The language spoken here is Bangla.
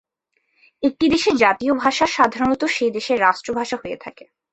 একটি দেশের জাতীয় ভাষা সাধারণত সে দেশের রাষ্ট্রভাষা হয়ে থাকে।